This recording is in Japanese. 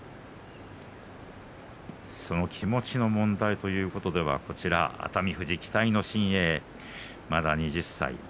その気持ちの問題ということでは熱海富士、期待の新鋭まだ２０歳。